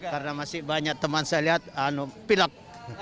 karena masih banyak teman saya lihat pilak